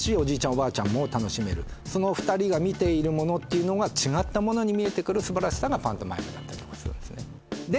おばあちゃんも楽しめるその２人が見ているものが違ったものに見えてくる素晴らしさがパントマイムだったりとかするんですねで！